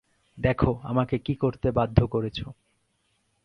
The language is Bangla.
দেখো আমাকে কী করতে বাধ্য করেছো।